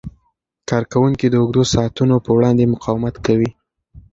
کارکوونکي د اوږدو ساعتونو په وړاندې مقاومت کوي.